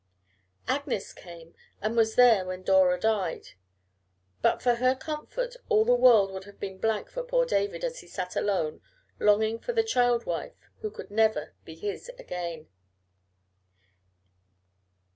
Agnes came, and was there when Dora died. But for her comfort all the world would have been blank for poor David as he sat alone, longing for the child wife who could never be his again!